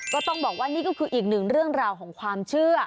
ก็ต้องบอกว่านี่ก็คืออีกหนึ่งเรื่องราวของความเชื่อ